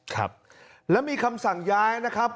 ครับแล้วมีคำสั่งย้ายนะครับ